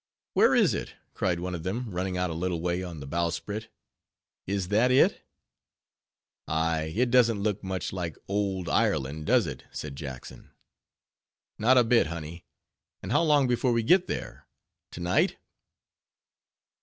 "Where is it?" cried one of them, running out a little way on the bowsprit. "Is that it?" "Aye, it doesn't look much like ould Ireland, does it?" said Jackson. "Not a bit, honey:—and how long before we get there? to night?"